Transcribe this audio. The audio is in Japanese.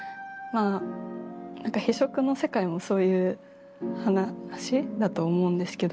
「非色」の世界もそういう話だと思うんですけど。